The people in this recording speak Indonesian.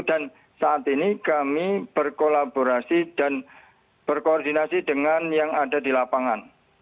dan saat ini kami berkolaborasi dan berkoordinasi dengan yang ada di lapangan